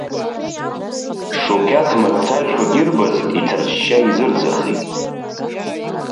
Шуқьаҭ маҭәажәқәак ирбаз, иҭырҷҷа изырӡахит.